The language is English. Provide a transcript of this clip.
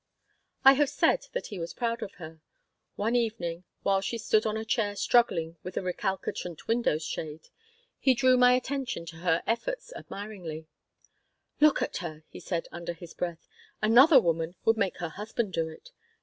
I have said that he was proud of her. One evening, while she stood on a chair struggling with a recalcitrant window shade, he drew my attention to her efforts admiringly "Look at her!" he said under his breath. "Another woman would make her husband do it.